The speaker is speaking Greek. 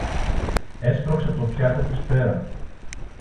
Έσπρωξε το πιάτο της πέρα